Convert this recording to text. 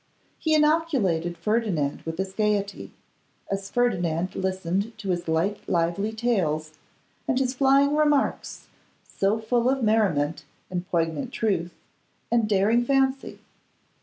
He inoculated Ferdinand with his gaiety, as Ferdinand listened to his light, lively tales, and his flying remarks, so full of merriment and poignant truth and daring fancy.